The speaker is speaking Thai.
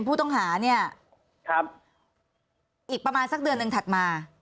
ผู้ต้องหาเนี่ยครับอีกประมาณสักเดือนหนึ่งถัดมา